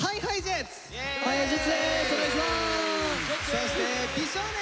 そして美少年！